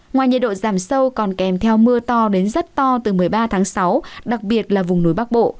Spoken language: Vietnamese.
ngoài nhiệt độ giảm sâu còn kèm theo mưa to đến rất to từ một mươi ba tháng sáu đặc biệt là vùng núi bắc bộ